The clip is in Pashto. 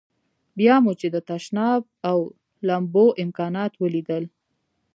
بیا مو چې د تشناب او لمبو امکانات ولیدل.